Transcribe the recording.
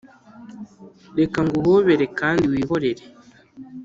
Reka nguhobere kandi wihorere